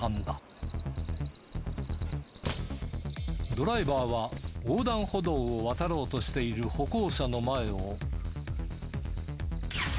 ドライバーは横断歩道を渡ろうとしている歩行者の前を。